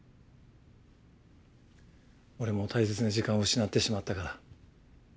俺も大切な時間を失ってしまったから。